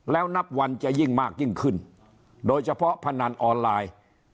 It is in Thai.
แล้วนับวันจะยิ่งมากยิ่งขึ้นโดยเฉพาะพนันออนไลน์